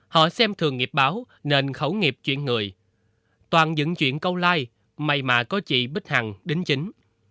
họ xem thường nghiệp báo nền khẩu nghiệp chuyện người toàn dựng chuyện câu like may mà có chị bích hằng đính chính